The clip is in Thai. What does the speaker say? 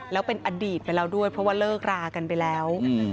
แล้วเป็นอดีตไปแล้วด้วยเพราะว่าเลิกรากันไปแล้ว